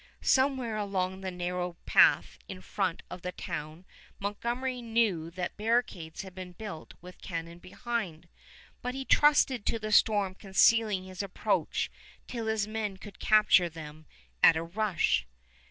Somewhere along the narrow path in front of the town Montgomery knew that barricades had been built with cannon behind, but he trusted to the storm concealing his approach till his men could capture them at a rush.